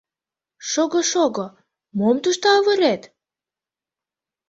— Шого-шого, мом тушто авырет?